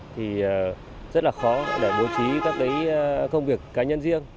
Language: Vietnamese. thì rất là khó để bố trí các cái công việc cá nhân riêng